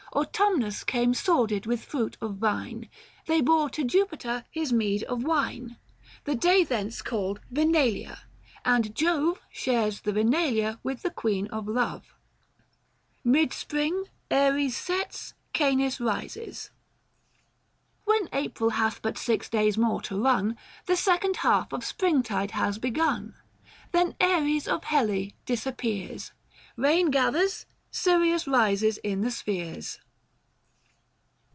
Autumnus came sordid with fruit of vine ; 1045 They bore to Jupiter his meed of wine : The day thence called Yinalia : and Jove Shares the Vinalia with the Queen of Love. VII. KAL. MAI. MID SPUING. ARIES SETS.' CANIS EISES. When April hath but six days more to' run The second half of springtide has begun ; 1050 Then Aries of Helle disappears, Kain gathers, Sirius rises in the spheres.